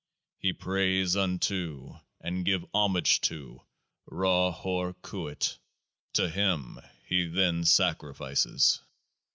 He prays unto, and give homage to, Ro Hoor khuit ; to Him he then sacrifices.